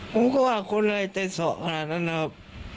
ผมก็ว่าคนอะไรใจเศร้าขนาดนั้นนะครับ